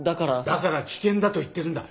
だから危険だと言ってるんだ。